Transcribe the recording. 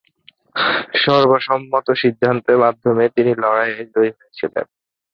সর্বসম্মত সিদ্ধান্তের মাধ্যমে তিনি লড়াইয়ে জয়ী হয়েছিলেন।